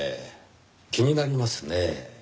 気になりますねぇ。